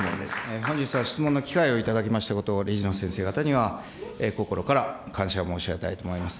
本日は質問の機会を頂きましたことを、理事の先生方には心から感謝を申し上げたいと思います。